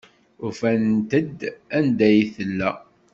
Ufant-d anda ay tella.